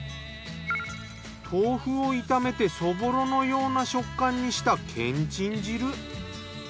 豆腐を炒めてそぼろのような食感にしたけんちん汁。